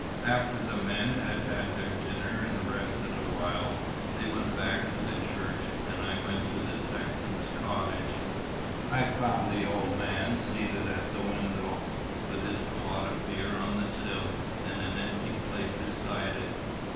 After the men had had their dinner and rested a while, they went back to the church, and I went to the sexton's cottage. I found the old man seated at the window, with his pot of beer on the sill, and an empty plate beside it.